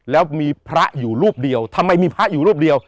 แล้วมีพระอยู่รูปเดียวทำไมมีพระอยู่รูปเดียว